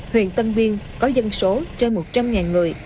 huyện tân biên có dân số trên một trăm linh người